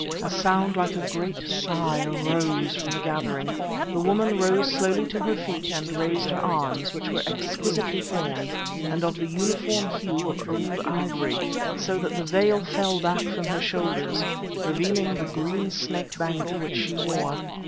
A sound like a great sigh arose from the gathering. The woman rose slowly to her feet, and raised her arms, which were exquisitely formed, and of the uniform hue of old ivory, so that the veil fell back to her shoulders, revealing the green snake bangle which she wore.